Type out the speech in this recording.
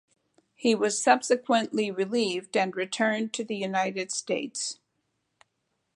He was subsequently relieved and returned to the United States.